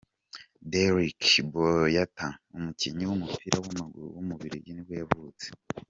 Dedryck Boyata, umukinnyi w’umupira w’amaguru w’umubiligi nibwo yavutse.